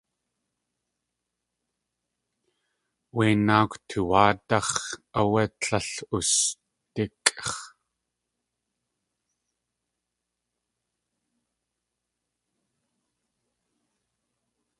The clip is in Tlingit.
Wé náakw tuwáadáx̲ áwé tlél usdíkʼx̲.